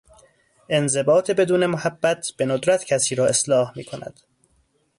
انضباط بدون محبت به ندرت کسی را اصلاح میکند.